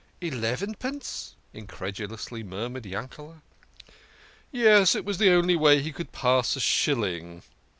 "Elevenpence? " incredulously murmured Yankele^ " Yes, it was the only way he could pass a shilling.